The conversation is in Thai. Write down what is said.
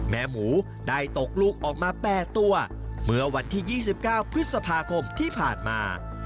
แม่หมูได้ตกลูกออกมา๘ตัวเมื่อวันที่๒๙พฤษภาคมที่ผ่านมา